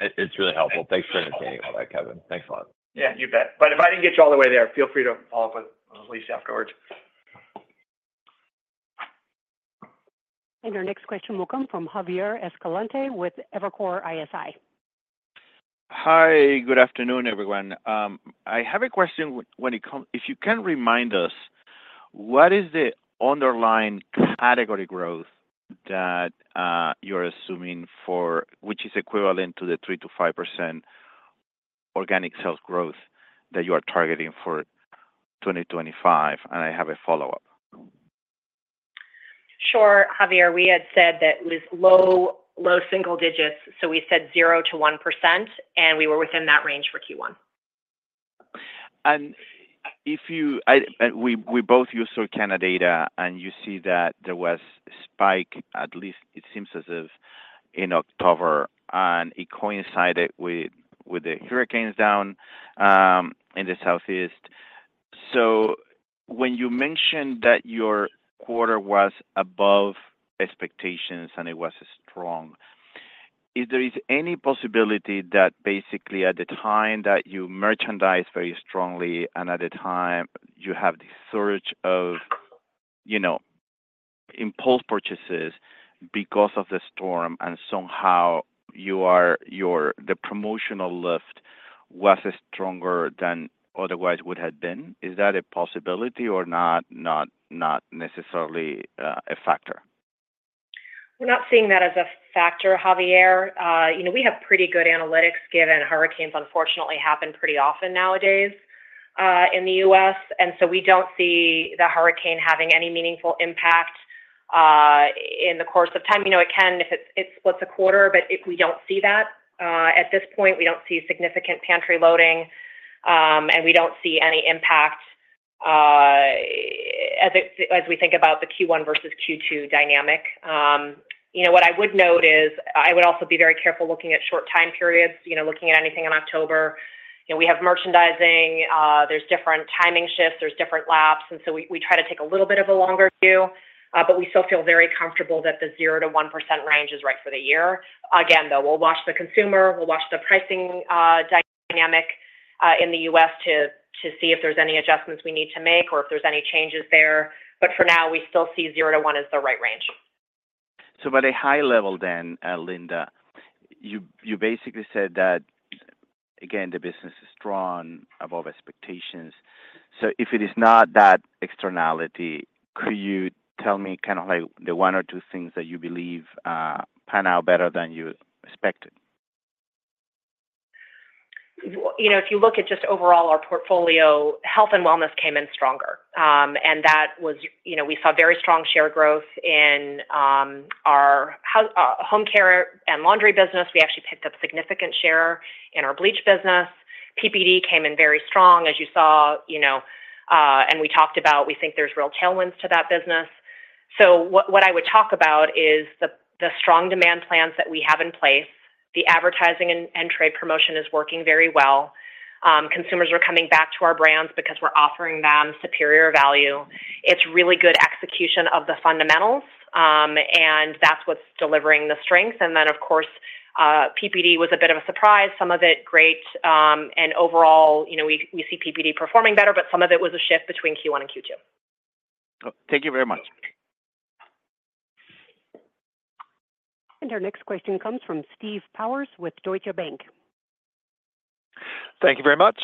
It's really helpful. Thanks for entertaining all that, Kevin. Thanks a lot. Yeah, you bet. But if I didn't get you all the way there, feel free to follow up with Lisa afterwards. Our next question will come from Javier Escalante with Evercore ISI. Hi, good afternoon, everyone. I have a question when it comes if you can remind us, what is the underlying category growth that you're assuming for which is equivalent to the 3%-5% organic sales growth that you are targeting for 2025? And I have a follow-up. Sure. Javier, we had said that it was low single digits. So, we said 0% to 1%, and we were within that range for Q1. We both use our Kantar data, and you see that there was a spike, at least it seems as if, in October, and it coincided with the hurricanes down in the Southeast. So, when you mentioned that your quarter was above expectations and it was strong, is there any possibility that basically at the time that you merchandised very strongly and at the time you have the surge of impulse purchases because of the storm and somehow the promotional lift was stronger than otherwise would have been? Is that a possibility or not necessarily a factor? We're not seeing that as a factor, Javier. We have pretty good analytics given hurricanes unfortunately happen pretty often nowadays in the U.S., and so we don't see the hurricane having any meaningful impact in the course of time. It can if it splits a quarter, but we don't see that at this point. We don't see significant pantry loading, and we don't see any impact as we think about the Q1 versus Q2 dynamic. What I would note is I would also be very careful looking at short time periods, looking at anything in October. We have merchandising. There's different timing shifts. There's different laps, and so we try to take a little bit of a longer view, but we still feel very comfortable that the 0%-1% range is right for the year. Again, though, we'll watch the consumer. We'll watch the pricing dynamic in the U.S. to see if there's any adjustments we need to make or if there's any changes there. But for now, we still see 0-1 as the right range. So, at a high level then, Linda, you basically said that, again, the business is strong, above expectations. So, if it is not that externality, could you tell me kind of the one or two things that you believe pan out better than you expected? If you look at just overall our portfolio, health and wellness came in stronger. And we saw very strong share growth in our home care and laundry business. We actually picked up significant share in our bleach business. PPD came in very strong, as you saw. And we talked about we think there's real tailwinds to that business. So, what I would talk about is the strong demand plans that we have in place. The advertising and trade promotion is working very well. Consumers are coming back to our brands because we're offering them superior value. It's really good execution of the fundamentals, and that's what's delivering the strength. And then, of course, PPD was a bit of a surprise. Some of it great. And overall, we see PPD performing better, but some of it was a shift between Q1 and Q2. Thank you very much. Our next question comes from Steve Powers with Deutsche Bank. Thank you very much.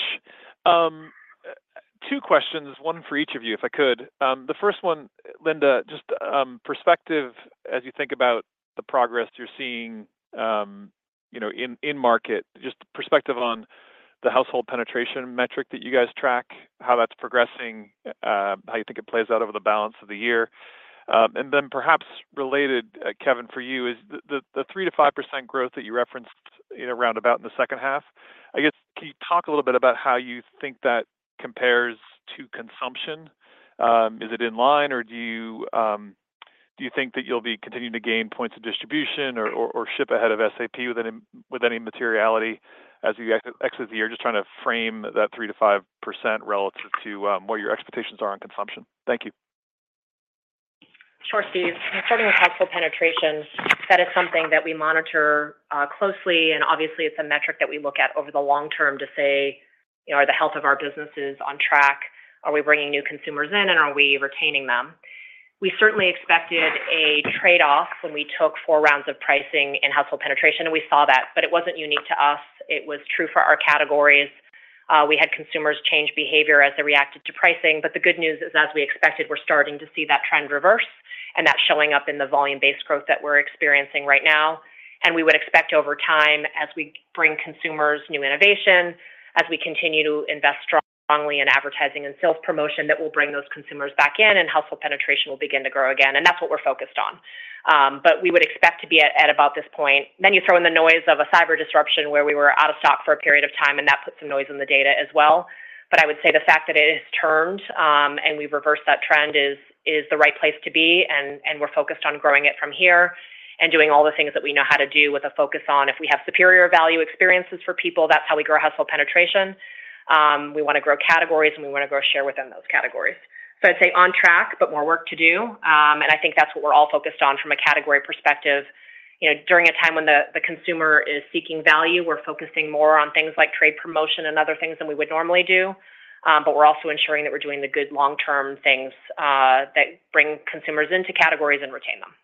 Two questions, one for each of you, if I could. The first one, Linda, just perspective as you think about the progress you're seeing in market, just perspective on the household penetration metric that you guys track, how that's progressing, how you think it plays out over the balance of the year. And then perhaps related, Kevin, for you, is the 3%-5% growth that you referenced round about in the second half. I guess, can you talk a little bit about how you think that compares to consumption? Is it in line, or do you think that you'll be continuing to gain points of distribution or ship ahead of SAP with any materiality as you exit the year? Just trying to frame that 3%-5% relative to what your expectations are on consumption. Thank you. Sure, Steve. Starting with household penetration, that is something that we monitor closely, and obviously, it's a metric that we look at over the long term to say, are the health of our businesses on track? Are we bringing new consumers in, and are we retaining them? We certainly expected a trade-off when we took four rounds of pricing in household penetration, and we saw that, but it wasn't unique to us. It was true for our categories. We had consumers change behavior as they reacted to pricing. But the good news is, as we expected, we're starting to see that trend reverse and that showing up in the volume-based growth that we're experiencing right now. And we would expect over time, as we bring consumers new innovation, as we continue to invest strongly in advertising and sales promotion, that we'll bring those consumers back in and household penetration will begin to grow again. And that's what we're focused on. But we would expect to be at about this point. Then you throw in the noise of a cyber disruption where we were out of stock for a period of time, and that put some noise in the data as well. But I would say the fact that it has turned and we've reversed that trend is the right place to be. And we're focused on growing it from here and doing all the things that we know how to do with a focus on if we have superior value experiences for people, that's how we grow household penetration. We want to grow categories, and we want to grow share within those categories. So, I'd say on track, but more work to do. And I think that's what we're all focused on from a category perspective. During a time when the consumer is seeking value, we're focusing more on things like trade promotion and other things than we would normally do. But we're also ensuring that we're doing the good long-term things that bring consumers into categories and retain them.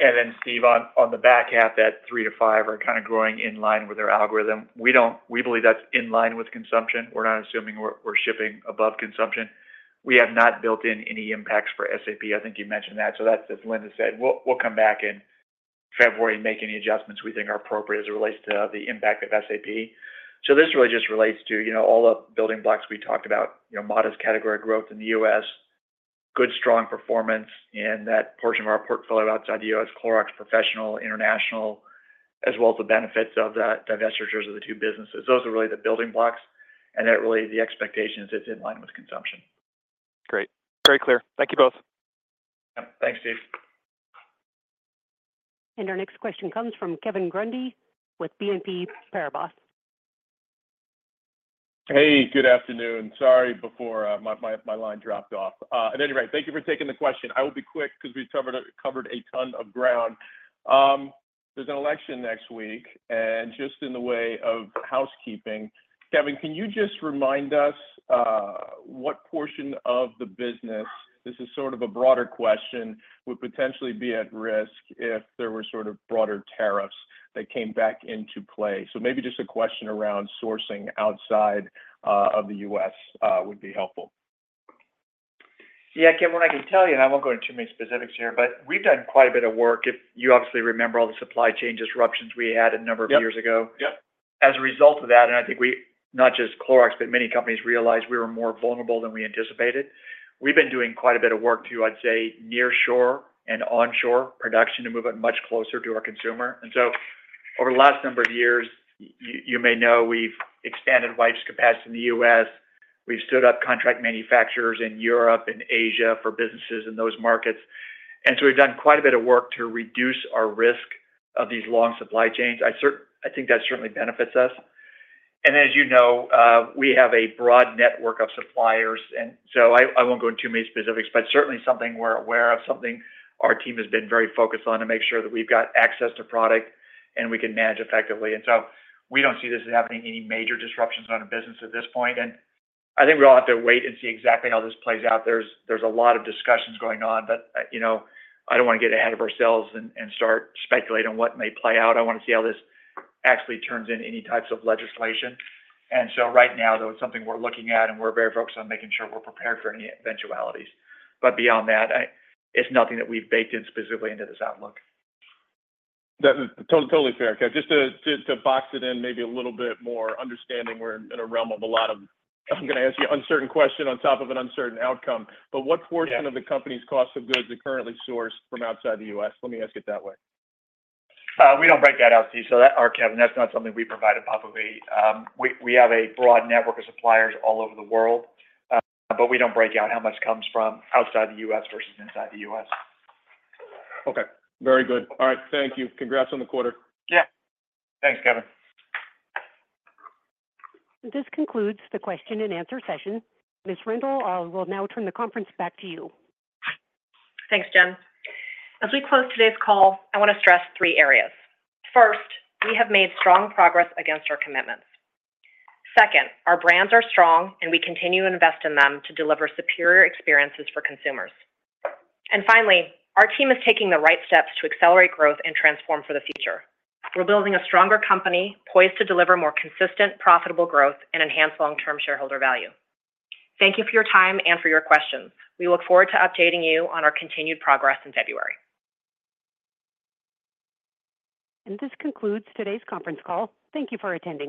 And then, Steve, on the back half, that 3 to 5 are kind of growing in line with our algorithm. We believe that's in line with consumption. We're not assuming we're shipping above consumption. We have not built in any impacts for SAP. I think you mentioned that. So, that's as Linda said. We'll come back in February and make any adjustments we think are appropriate as it relates to the impact of SAP. So, this really just relates to all the building blocks we talked about: modest category growth in the U.S., good strong performance in that portion of our portfolio outside the U.S., Clorox Professional, international, as well as the benefits of the advantages of the two businesses. Those are really the building blocks. And that really the expectations is in line with consumption. Great. Very clear. Thank you both. Yep. Thanks, Steve. Our next question comes from Kevin Grundy with BNP Paribas. Hey, good afternoon. Sorry before my line dropped off. At any rate, thank you for taking the question. I will be quick because we've covered a ton of ground. There's an election next week, and just in the way of housekeeping, Kevin, can you just remind us what portion of the business, this is sort of a broader question, would potentially be at risk if there were sort of broader tariffs that came back into play? Maybe just a question around sourcing outside of the U.S. would be helpful. Yeah, Kevin, I can tell you, and I won't go into too many specifics here, but we've done quite a bit of work. You obviously remember all the supply chain disruptions we had a number of years ago. Yep. Yep. As a result of that, and I think not just Clorox, but many companies realized we were more vulnerable than we anticipated. We've been doing quite a bit of work to, I'd say, near-shore and on-shore production to move it much closer to our consumer. And so, over the last number of years, you may know we've expanded wipes' capacity in the U.S. We've stood up contract manufacturers in Europe and Asia for businesses in those markets. And so, we've done quite a bit of work to reduce our risk of these long supply chains. I think that certainly benefits us. And as you know, we have a broad network of suppliers. And so, I won't go into too many specifics, but certainly something we're aware of, something our team has been very focused on to make sure that we've got access to product and we can manage effectively. And so, we don't see this as having any major disruptions on our business at this point. And I think we all have to wait and see exactly how this plays out. There's a lot of discussions going on, but I don't want to get ahead of ourselves and start speculating on what may play out. I want to see how this actually turns into any types of legislation. And so, right now, though, it's something we're looking at, and we're very focused on making sure we're prepared for any eventualities. But beyond that, it's nothing that we've baked in specifically into this outlook. Totally fair, Kev. Just to box it in maybe a little bit more, understanding we're in a realm of a lot of, I'm going to ask you an uncertain question on top of an uncertain outcome. But what portion of the company's cost of goods are currently sourced from outside the U.S.? Let me ask it that way. We don't break that out, Steve. So, Kevin, that's not something we provide. We have a broad network of suppliers all over the world, but we don't break out how much comes from outside the U.S. versus inside the U.S. Okay. Very good. All right. Thank you. Congrats on the quarter. Yeah. Thanks, Kevin. This concludes the question-and-answer session. Ms. Rendle, I will now turn the conference back to you. Thanks, Jim. As we close today's call, I want to stress three areas. First, we have made strong progress against our commitments. Second, our brands are strong, and we continue to invest in them to deliver superior experiences for consumers. And finally, our team is taking the right steps to accelerate growth and transform for the future. We're building a stronger company poised to deliver more consistent, profitable growth and enhance long-term shareholder value. Thank you for your time and for your questions. We look forward to updating you on our continued progress in February. This concludes today's conference call. Thank you for attending.